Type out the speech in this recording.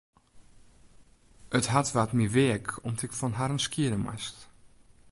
It hart waard my weak om't ik fan harren skiede moast.